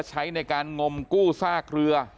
พี่บูรำนี้ลงมาแล้ว